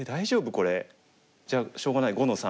これ。じゃあしょうがない５の三。